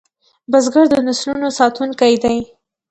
بزګر د نسلونو ساتونکی دی